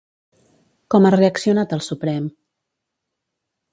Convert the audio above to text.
Com ha reaccionat el Suprem?